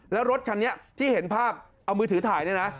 แล้วรถคันนี้ที่เห็นภาพเอามือถือถ่ายเนี่ยนะ